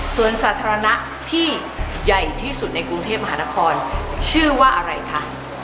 ส่วนสาธารณะที่ใหญ่ที่สุดในกรุงเทพมหานครชื่อว่าอะไรคะ